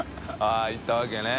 ◆舛行ったわけね。